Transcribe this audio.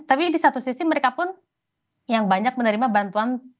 tapi di satu sisi mereka pun yang banyak menerima bantuan